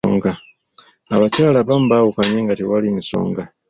Abakyala abamu baawukanye nga tewali nsonga.